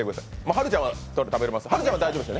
はるちゃんは食べれます。